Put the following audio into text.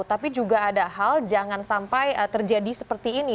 tapi juga ada hal jangan sampai terjadi seperti ini